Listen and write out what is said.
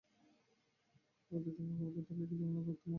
তদ্ব্যতীত মুমুক্ষুতা থাকিলেও কিছু হইবে না, অর্থাৎ তোমার গুরুকরণ আবশ্যক।